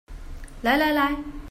來來來